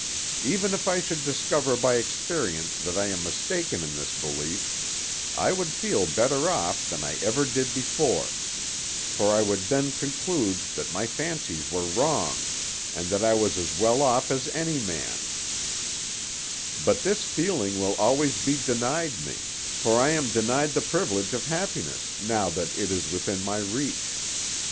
Even if I should discover by experience that I am mistaken in this belief, I would feel better off than I ever did before; for I would then conclude that my fancies were wrong, and that I was as well off as any man; but this feeling will always be denied me, for I am denied the privilege of happiness now that it is within my reach.